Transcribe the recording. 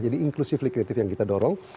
jadi inklusifly kreatif yang kita dorong